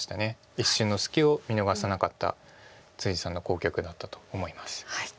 一瞬の隙を見逃さなかったさんの好局だったと思います。